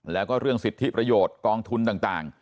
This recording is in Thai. แล้วก็เรื่องสิทธิประโยชน์กองทุนต่าง